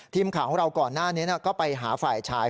ทีมข่าวของเราก่อนหน้านี้ก็ไปหาฝ่ายชาย